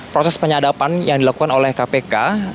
proses penyadapan yang dilakukan oleh kpk